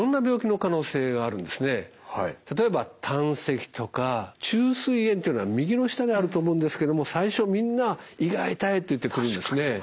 例えば胆石とか虫垂炎っていうのは右の下であると思うんですけども最初みんな胃が痛いって言って来るんですね。